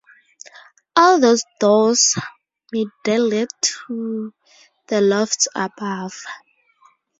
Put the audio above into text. All those doors midair lead to the lofts above.